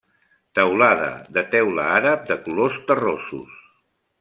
Teulada de teula àrab de colors terrossos.